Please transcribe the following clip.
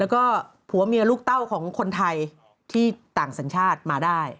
แล้วก็ผัวเมียลูกเต้าของคนไทยที่ต่างสัญชาติมาได้